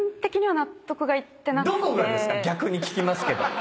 逆に聞きますけど。